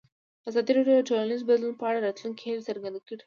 ازادي راډیو د ټولنیز بدلون په اړه د راتلونکي هیلې څرګندې کړې.